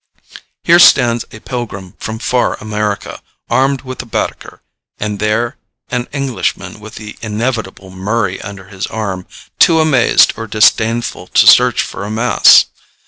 Here stands a pilgrim from far America, armed with a Bädeker, and there an Englishman with the inevitable Murray under his arm, too amazed or disdainful to search for a mass.